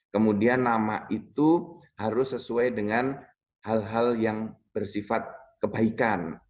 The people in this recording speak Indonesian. kemudian nama itu harus sesuai dengan hal hal yang bersifat kebaikan